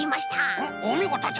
うんおみごとじゃ。